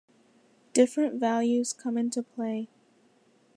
Different values come into play.